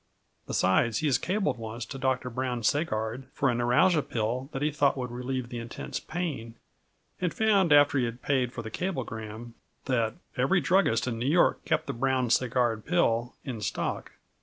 Besides he has cabled once to Dr. Brown Sequard for a neuralgia pill that he thought would relieve the intense pain, and found after he had paid for the cablegram that every druggist in New York kept the Brown Sequard pill in stock.